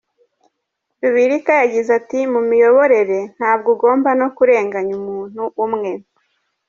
Ruburika yagize ati “Mu miyoborere ntabwo ugomba no kurenganya umuntu umwe.